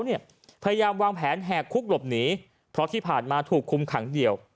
พยายามวางแผนแหกคุกหลบหนีเพราะที่ผ่านมาถูกคุมขังเดียว